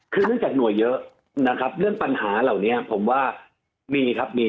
คือเนื่องจากหน่วยเยอะนะครับเรื่องปัญหาเหล่านี้ผมว่ามีครับมี